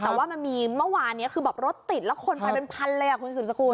แต่ว่ามันมีเมื่อวานนี้คือแบบรถติดแล้วคนไปเป็นพันเลยคุณสืบสกุล